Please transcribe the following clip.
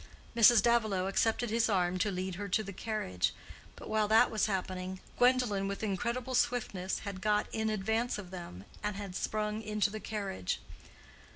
Mrs. Davilow accepted his arm to lead her to the carriage; but while that was happening, Gwendolen with incredible swiftness had got in advance of them, and had sprung into the carriage.